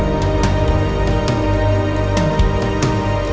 untuk mengembangkan keadaan